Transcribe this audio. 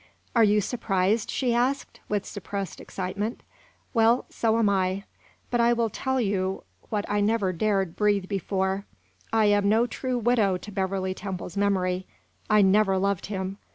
"Are you surprised?" she asked, with suppressed excitement. "Well, so am I. But I will tell you what I never dared breathe before I am no true widow to Beverley Temple's memory. I never loved him.